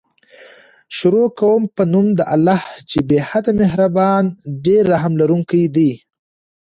شروع کوم په نوم د الله چې بې حده مهربان ډير رحم لرونکی دی